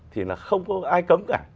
thì là không có ai cấm cả